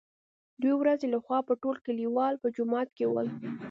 دورځې له خوا به ټول کليوال په جومات کې ول.